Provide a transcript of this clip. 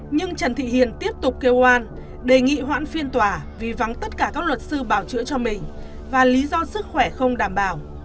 nhưng trần thị hiền tiếp tục kêu an đề nghị hoãn phiên tòa vì vắng tất cả các luật sư bảo chữa cho mình và lý do sức khỏe không đảm bảo